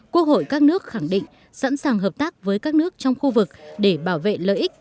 quốc hội các nước khẳng định sẵn sàng hợp tác với các nước trong khu vực để bảo vệ lợi ích